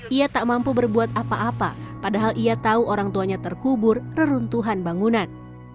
ia tak mampu berbuat apa apa padahal ia tahu orang tuanya terkubur reruntuhan bangunan